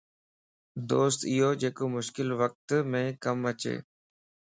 دوست ايو جيڪو مشڪل وقتم ڪم اچي